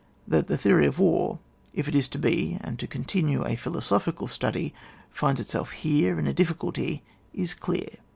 That the theory of war, if it is to be and to continue a philosophical study, finds itself here in a difficulty is dear.